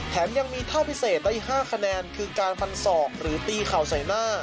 ยังมีเท่าพิเศษและอีก๕คะแนนคือการฟันศอกหรือตีเข่าใส่หน้า